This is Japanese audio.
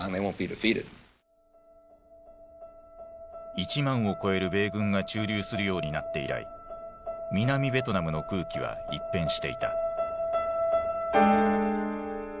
１万を超える米軍が駐留するようになって以来南ベトナムの空気は一変していた。